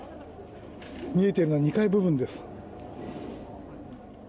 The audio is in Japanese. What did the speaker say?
見えているのは２階部分です。